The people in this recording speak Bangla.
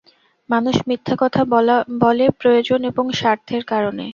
মানুষ মিথ্যা কথা বলে প্রয়োজন এবং স্বার্থের কারণে।